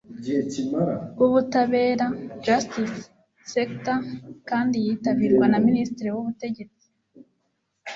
rw Ubutabera Justice Sector kandi yitabirwa na Minisitiri w Ubutegetsi